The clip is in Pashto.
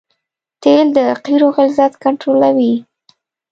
تیل د قیرو غلظت کنټرولوي